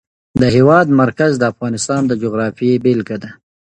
د هېواد مرکز د افغانستان د جغرافیې بېلګه ده.